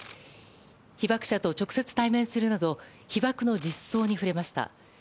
被爆者と直接対面するなど被爆の実相に触れました。